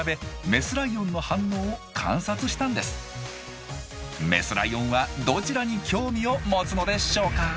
メスライオンはどちらに興味を持つのでしょうか？